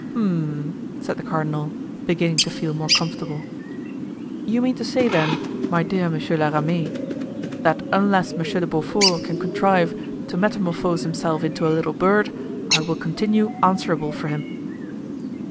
"Hum!" said the cardinal, beginning to feel more comfortable. "You mean to say, then, my dear Monsieur la Ramee——" "That unless Monsieur de Beaufort can contrive to metamorphose himself into a little bird, I will continue answerable for him."